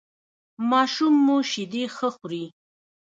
ماشوم مو شیدې ښه خوري؟